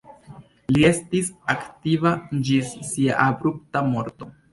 Li restis aktiva ĝis sia abrupta morto.